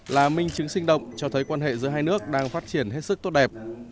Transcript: là minh chứng sinh động cho thấy quan hệ giữa hai nước đang phát triển hết sức tốt đẹp